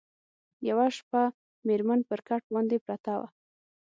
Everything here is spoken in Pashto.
یوه شپه مېرمن پر کټ باندي پرته وه